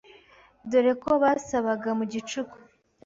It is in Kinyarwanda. dore ko basabaga mu gicuku